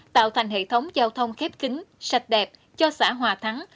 tạo thành hệ thống giao thông khép kính sạch đẹp cho xã hòa thắng